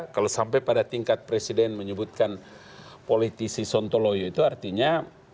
kalau sampai pada tingkat presiden menyebutkan politisi sontoloyo itu artinya